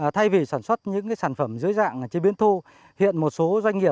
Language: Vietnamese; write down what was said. thay vì sản xuất những sản phẩm dưới dạng chế biến thu